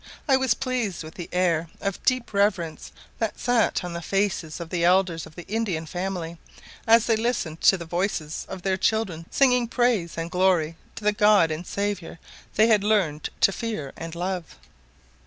I was pleased with the air of deep reverence that sat on the faces of the elders of the Indian family, as they listened to the voices of their children singing praise and glory to the God and Saviour they had learned to fear and love.